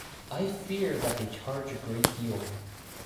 I fear that they charge a great deal.